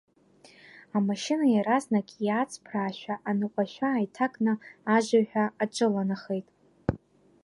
Амашьына иаразнак иааҵԥраарашәа, аныҟәашәа ааиҭакны ажыҩҳәа аҿыланахеит.